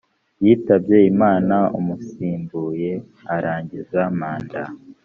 yitabye imana umusimbuye arangiza manda